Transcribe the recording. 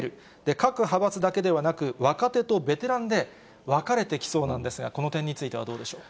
各派閥だけではなく、若手とベテランで分かれてきそうなんですが、この点についてはどうでしょうか？